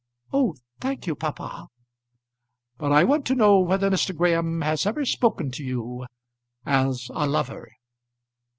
"Oh, thank you, papa." "But I want to know whether Mr. Graham has ever spoken to you as a lover."